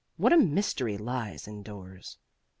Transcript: What a mystery lies in doors!